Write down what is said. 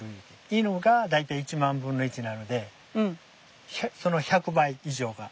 犬が大体１万分の１なのでその１００倍以上が。